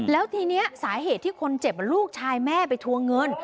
แล้วทีนี้สาเหตุที่คนเจ็บลูกชายแม่ไปทวงเงิน